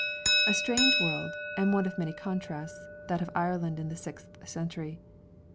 A strange world and one of many contrasts, that of Ireland in the sixth century.